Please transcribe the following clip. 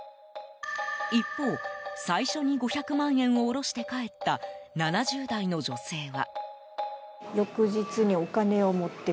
一方、最初に５００万円を下ろして帰った７０代の女性は。